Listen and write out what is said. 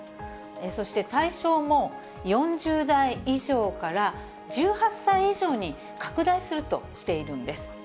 そして対象も、４０代以上から１８歳以上に拡大するとしているんです。